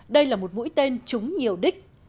đây là một mũi tên trúng nhiều đích